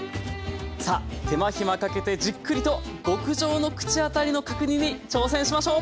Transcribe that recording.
さあ手間暇かけてじっくりと極上の口当たりの角煮に挑戦しましょう。